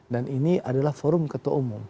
dan ini adalah forum ketua umum